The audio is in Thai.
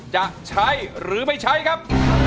จะใช้หรือไม่ใช้ครับ